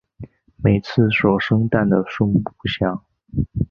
每次所生蛋的数目不详。